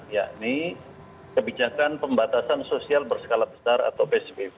ini kebijakan pembatasan sosial berskala besar atau pcbb